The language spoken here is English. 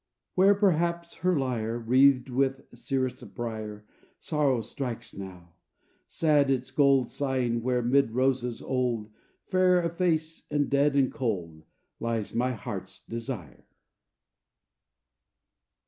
Where perhaps her lyre, Wreathed with serest brier, Sorrow strikes now; sad its gold Sighing where, 'mid roses old, Fair of face and dead and cold Lies my Heart's Desire.